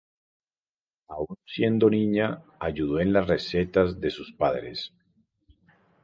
Aún siendo niña ayudó en las recetas a sus padres.